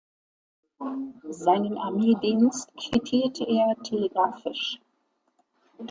Seinen Armeedienst quittierte er telegrafisch.